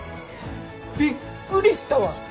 びっくりしたわ！